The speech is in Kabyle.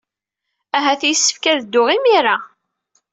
Ahat yessefk ad dduɣ imir-a.